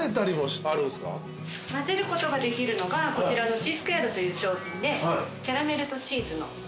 交ぜることができるのがこちらのＣスクエアドという賞品でキャラメルとチーズのミックス。